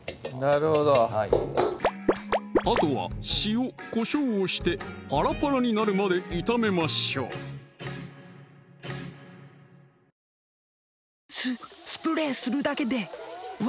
なるほどあとは塩・こしょうをしてパラパラになるまで炒めましょうじゃあ